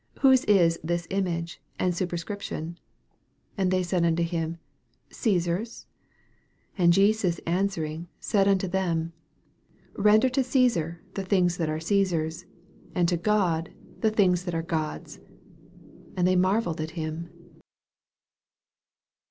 Whose it this image and superscription ? And they said unto him, Caesar's. 17 And Jesus answering said unto them, Bender to Caesar the things that are Caesar's, and to God the things that are God's. And they marvelled at him.